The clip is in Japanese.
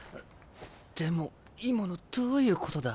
でも今のどういうことだ？